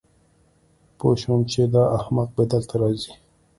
پوه شوم چې دا احمق به دلته راځي